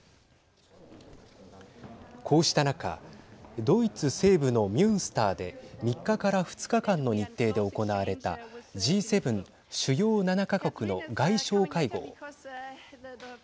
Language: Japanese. こうした中、ドイツ西部のミュンスターで３日から２日間の日程で行われたＧ７＝主要７か国の外相会合。